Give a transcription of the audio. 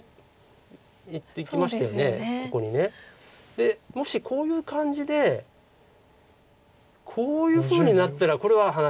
でもしこういう感じでこういうふうになったらこれは話がうまいんです。